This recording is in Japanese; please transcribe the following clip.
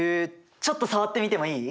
ちょっと触ってみてもいい？